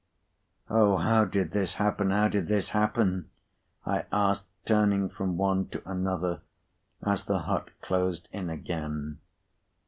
"O! how did this happen, how did this happen?" I asked, turning from one to another as the hut closed in again.